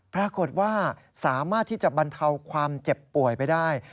ปรากฏว่าสามารถที่จะบรรเทาความเจ็บป่วยไปได้